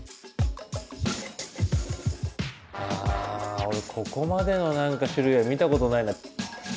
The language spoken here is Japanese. ああ俺ここまでの種類は見たことないな。